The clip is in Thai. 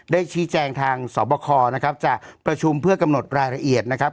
ได้ชี้แจงทางสอบคอนะครับจะประชุมเพื่อกำหนดรายละเอียดนะครับ